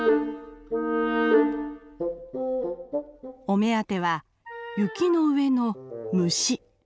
お目当ては雪の上の虫。